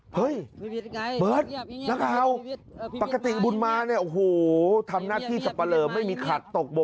เฮ้ยเบิร์ทน้าพราว